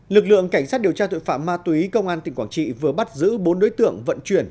lực lượng cảnh sát điều tra tội phạm ma túy công an tỉnh quảng trị vừa bắt giữ bốn đối tượng vận chuyển